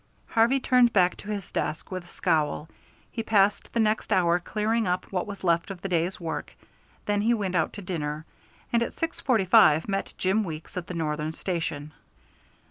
Harvey turned back to his desk with a scowl. He passed the next hour clearing up what was left of the day's work; then he went out to dinner, and at 6.45 met Jim Weeks at the Northern Station.